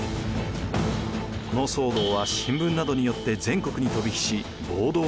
この騒動は新聞などによって全国に飛び火し暴動化。